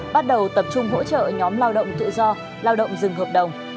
bắt đầu tập trung hỗ trợ nhóm lao động tự do lao động dừng hợp đồng